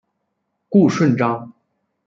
顾顺章。